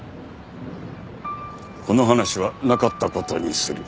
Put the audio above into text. この話はなかった事にする。